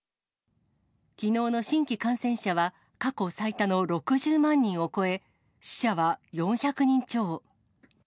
きのうの新規感染者は、過去最多の６０万人を超え、死者は４００人超。